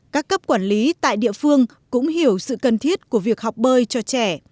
các cấp quản lý tại địa phương cũng hiểu sự cần thiết của việc học bơi cho trẻ